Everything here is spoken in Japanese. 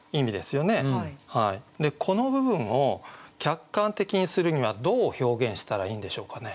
この部分を客観的にするにはどう表現したらいいんでしょうかね。